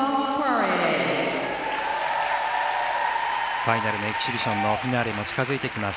ファイナルのエキシビションのフィナーレが近付いてきます。